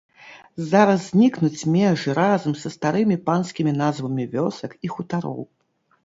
Зараз знікнуць межы разам са старымі панскімі назвамі вёсак і хутароў.